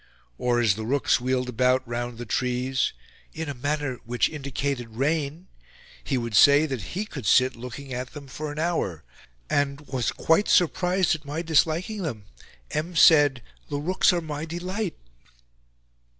Or, as the rooks wheeled about round the trees, "in a manner which indicated rain," he would say that he could sit looking at them for an hour, and "was quite surprised at my disliking them. M. said, 'The rooks are my delight.'"